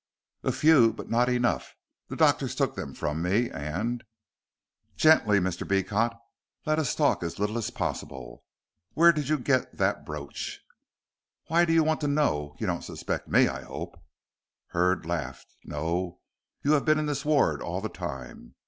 "A few, but not enough. The doctors took them from me and " "Gently, Mr. Beecot. Let us talk as little as possible. Where did you get that brooch?" "Why do you want to know? You don't suspect me, I hope?" Hurd laughed. "No. You have been in this ward all the time.